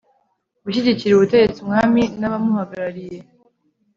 gushyigikira ubutegetsi umwami n abamuhagarariye